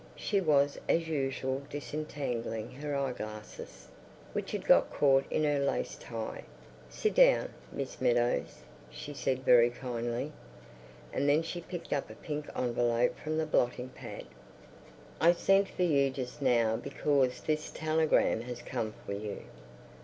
She was as usual disentangling her eyeglasses, which had got caught in her lace tie. "Sit down, Miss Meadows," she said very kindly. And then she picked up a pink envelope from the blotting pad. "I sent for you just now because this telegram has come for you."